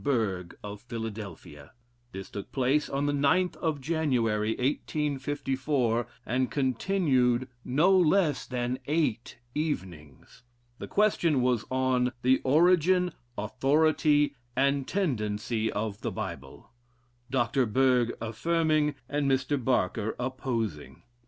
Berg of Philadelphia. This took place on the 9th of January, 1854, and continued no less than eight evenings. The question was on "the origin, authority, and tendency of the Bible" Dr. Berg affirming, and Mr. Barker opposing.